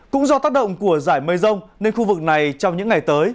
cũng do tác động của giải mây rông nên khu vực này trong những ngày tới